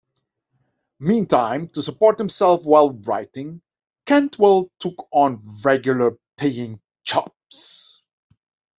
Meantime, to support himself while writing, Cantwell took on regular-paying jobs.